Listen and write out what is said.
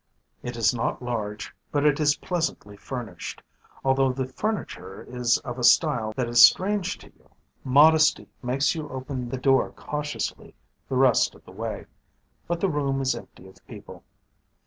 It is not large, but it is pleasantly furnished although the furniture is of a style that is strange to you. Modesty makes you open the door cautiously the rest of the way. But the room is empty of people.